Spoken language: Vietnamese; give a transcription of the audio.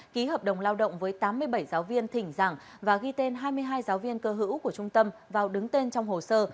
ký hợp đồng lao động với tám mươi bảy giáo viên thỉnh giảng và ghi tên hai mươi hai giáo viên cơ hữu của trung tâm vào đứng tên trong hồ sơ